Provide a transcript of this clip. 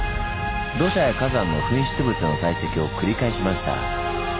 土砂や火山の噴出物の堆積を繰り返しました。